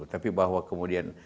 tapi bahwa kemudian